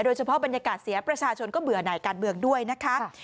โดยเฉพาะบรรยากาศเสียประชาชนก็เบื่อไหนการเมืองด้วยนะคะ